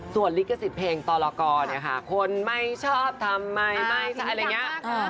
ส่วนลิขสิทธิ์เพลงตรกรเนี่ยค่ะคนไม่ชอบทำไมไม่ใช่อะไรอย่างนี้